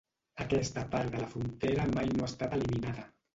Aquesta part de la frontera mai no ha estat eliminada.